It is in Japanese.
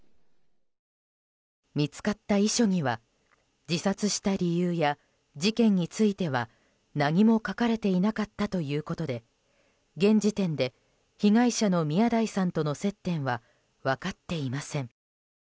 見つかった遺書には自殺した理由や事件については何も書かれていなかったということで現時点で被害者の宮台さんとの接点は分かっていません。